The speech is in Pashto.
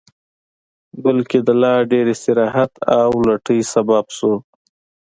بلکې د لا ډېر استراحت او لټۍ سبب شو